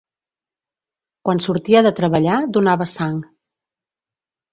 Quan sortia de treballar donava sang.